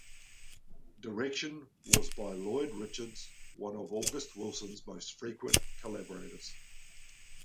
Direction was by Lloyd Richards, one of August Wilson's most frequent collaborators.